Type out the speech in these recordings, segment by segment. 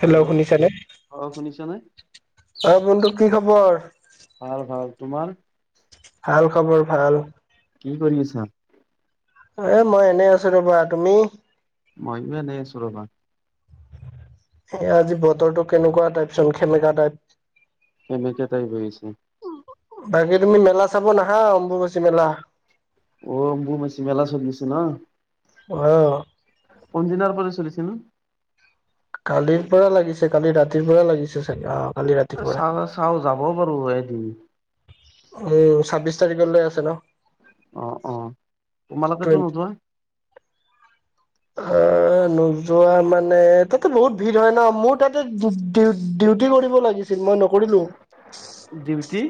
Hello শুনিছ নে অ' শুনিছানে? অ বন্ধু কি খবৰ? খবৰ ভাল ভাল তোমাৰ? ভাল খবৰ ভাল। কি কৰি আছা? এ মই এনেই আছো ৰবা তুমি মইনো এনে আছো ৰবা। এ আজি বতৰটো কেনেকুৱা টাইপ চোন সেমেকা টাইপ। কেনেকে তাই বহিছে বাকী তুমি মেলা চাব নাহা অম্বুবাচী মেলা। অম অম্বুবাচী মেলা চলি আছে ন। অ পঞ্জিনাৰ পৰা চলিছিল। কালিৰ পৰা লাগিছে কালি ৰাতিৰ পৰা লাগিছে চাগে, অহ। এ চা চাও যাব পাৰো এদিন উম ছাব্বিশ তাৰিখলৈ আছে ন। অ অ তোমালোকেতো টুৱেণ্টি নোযোৱা? অ নোযোৱা মানে তাতে বহুত ভিৰ হয় ন মোৰ তাতে ডিও ডিও ডিউটি কৰিব লাগিছিল মই নকৰিলো। ডিউটি?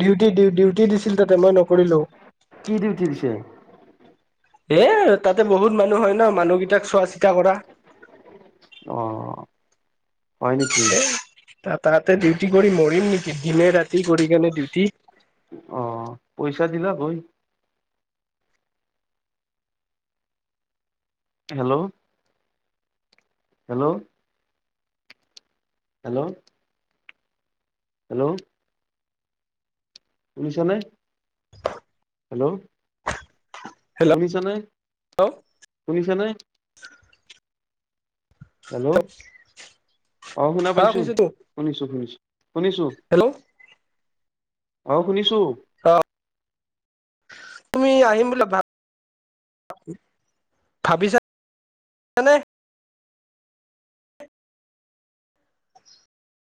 ডিউটি ডিউটি দিছিল তাতে, মই নকৰিলো। কি ডিউটি দিছে? এ তাতে বহুত মানুহ হয় ন মানুহকেইটাক চোৱা চিতা কৰা। অহ। হয় নেকি? তাতে ডিউটি কৰি মৰিম নেকি, দিনে ৰাতি কৰি কেনে ডিউটি অ পইচা দিলাক হৈ হেল্ল'। হেল্ল'। হেল্ল'। হেল্ল'। শুনিছানে? হেল্ল'। হেল্ল' শুনিছা নে অ শুনিছা নে? হেল্ল', অ শুনা পাইছো, শুনিছো তো। শুনিছো শুনিছো। শুনিছো। হেল্ল' অহ শুনিছো। অ তুমি আহিম বুলি ভাব ভাবিছানে আ [inaudible]